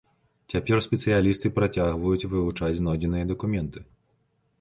Цяпер спецыялісты працягваюць вывучаць знойдзеныя дакументы.